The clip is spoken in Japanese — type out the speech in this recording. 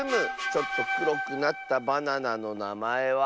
ちょっとくろくなったバナナのなまえは。